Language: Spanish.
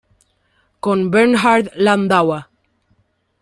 Con Bernhard Landauer.